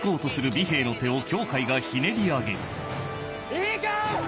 いいか！